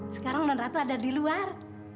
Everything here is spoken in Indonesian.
sekarang non ratu ada di luar